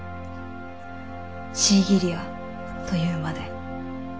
シーギリアという馬で。